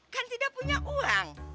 kan tidak punya uang